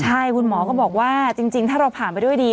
ใช่คุณหมอก็บอกว่าจริงถ้าเราผ่านไปด้วยดี